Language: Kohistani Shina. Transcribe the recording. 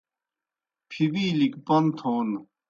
پِھبِیلیْ گہ پوْن تھون